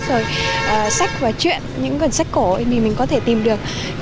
rồi sách và chuyện những cuốn sách cổ mình có thể tìm được